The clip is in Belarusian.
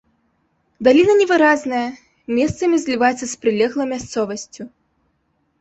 Даліна невыразная, месцамі зліваецца з прылеглай мясцовасцю.